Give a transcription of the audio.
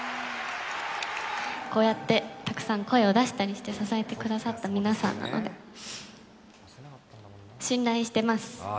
こうやってたくさん声を出したりして支えてくださった皆さんなので、信頼しています。